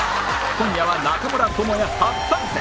今夜は中村倫也初参戦